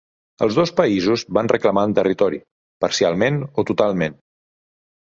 Els dos països van reclamar el territori, parcialment o totalment.